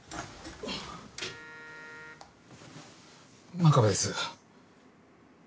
真壁です。